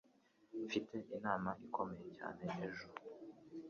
Mfite inama ikomeye cyane ejo.